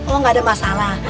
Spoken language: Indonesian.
oh gak ada masalah